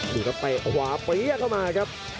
อีกก็ไปขวาเปรี้ยกเข้ามาครับ